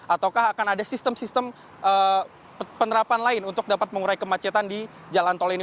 atau sistem sistem penerapan lain untuk dapat mengurai kemacetan di jalan tol ini